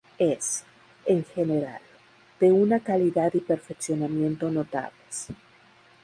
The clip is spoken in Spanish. Es, en general, de una calidad y perfeccionamiento notables.